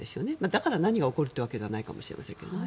だから何が起こるというわけではないかもしれませんが。